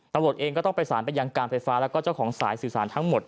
ตำรวจเองก็ต้องประสานไปยังการไฟฟ้าแล้วก็เจ้าของสายสื่อสารทั้งหมด